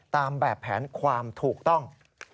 ตามแบบแผนความถูกต้อง